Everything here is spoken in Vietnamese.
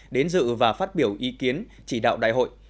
đến dự và phát biểu ý kiến chỉ đạo đại hội